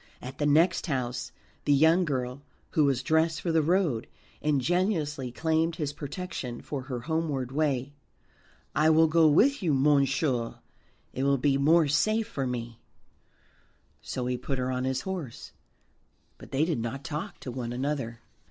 At the next house the young girl, who was dressed for the road, ingenuously claimed his protection for her homeward way. "I will go with you, monsieur, it will be more safe for me." So he put her on his horse, but they did not talk to one another.